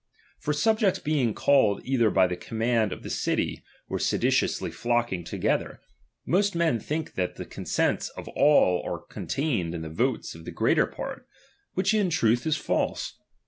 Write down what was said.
For subjects being called either by the command of the city, or sedi tiously flocking together, most men think that the consents of all are contained in the votes of the greater part ; which in truth is false.